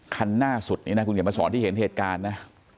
คันหน้าสุดนี่นะคุณเขียนมาสอนที่เห็นเหตุการณ์นะ